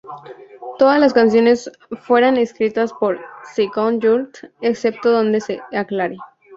Todas las canciones fueran escritas por Ciccone Youth, excepto donde se aclare.